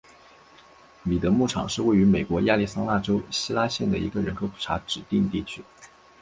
米德牧场是位于美国亚利桑那州希拉县的一个人口普查指定地区。